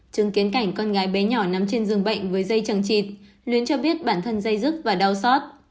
trưng kiến cảnh con gái bé nhỏ nằm trên rừng bệnh với dây trầng chịt luyến cho biết bản thân dây dứt và đau xót